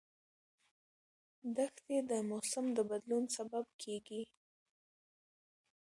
دښتې د موسم د بدلون سبب کېږي.